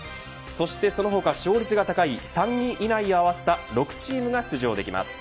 そしてその他、勝率が高い３位以内を合わせた６チームが出場できます。